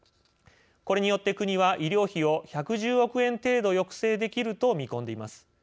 これによって国は医療費を１１０億円程度抑制できると見込んでいます。